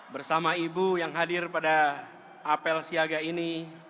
bersama ibu yang hadir pada apel siaga ini